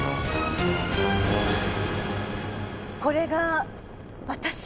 これが私？